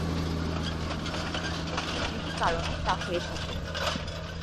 দু'টি কারণে তা হয়ে থাকে।